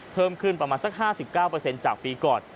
เพิ่มขึ้นประมาณสัก๕๙จากปีก่อน